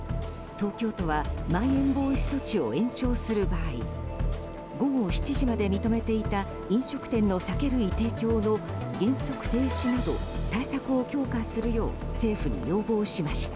東京都はまん延防止措置を延長する場合午後７時まで認めていた飲食店の酒類提供の原則停止など対策を強化するよう政府に要望しました。